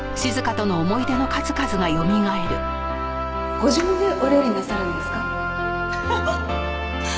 ご自分でお料理なさるんですか？